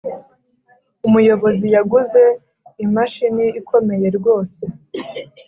umuyobozi yaguze imashini ikomeye rwose.